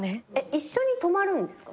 一緒に泊まるんですか？